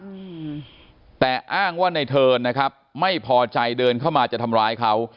อืมแต่อ้างว่าในเทิร์นนะครับไม่พอใจเดินเข้ามาจะทำร้ายเขา